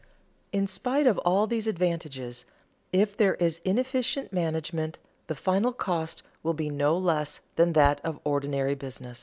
In spite of all these advantages, if there is inefficient management the final cost will be no less than that of ordinary business.